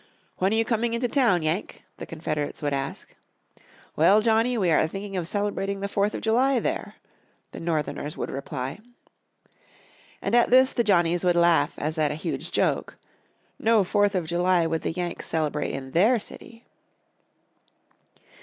"When are you coming into town, Yank?" the Confederates would ask. "Well, Johnnie, we are thinking of celebrating the 4th of July there," the Northerners would reply. And at this the Johnnies would laugh as at a huge joke. No 4th of July would the Yanks celebrate in their city.